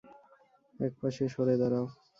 এক পাশে সরে দাঁড়াও।